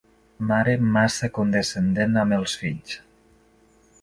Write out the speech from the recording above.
Mare massa condescendent amb els fills.